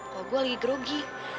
kalau gue lagi grogi